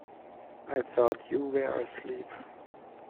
I thought you were asleep.